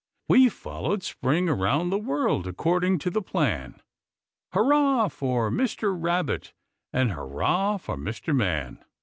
"We've followed Spring around the world, According to the plan! Hurrah for Mr. Rabbit! And hurrah for Mr. Man!"